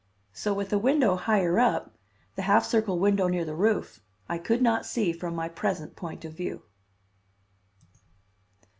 So with a window higher up; the half circle window near the roof, I could not see from my present point of view.